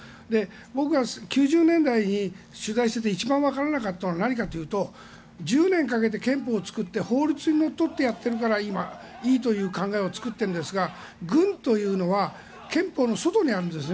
僕は１９９０年代に取材して一番わからなかったのは何かというと１０年かけて憲法を作って法律にのっとってやっているからいいという考えを作っているんですが軍というのは憲法の外にあるんですね。